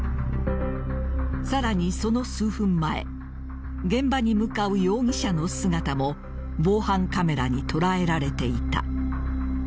さらに、その数分前現場に向かう容疑者の姿も防犯カメラに捉えられていた。